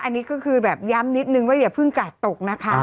อันนี้ก็คือแบบย้ำนิดนึงว่าอย่าเพิ่งกาดตกนะคะ